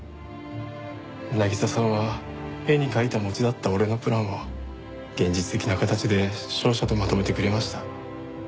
渚さんは絵に描いた餅だった俺のプランを現実的な形で商社とまとめてくれました。